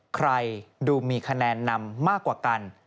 ใครดูมีคะแนนนำมากกว่ากัน